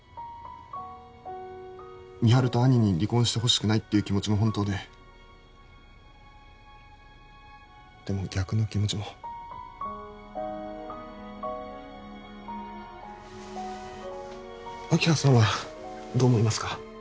美晴と兄に離婚してほしくないっていう気持ちも本当ででも逆の気持ちも明葉さんはどう思いますか？